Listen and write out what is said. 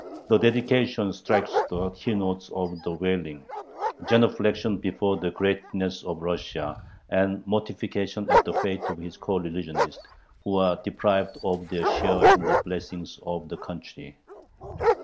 The dedication strikes the keynote of the "Wailing": genuflexion before the greatness of Russia and mortification at the fate of his coreligionists, who are deprived of their share in the "blessings" of the country.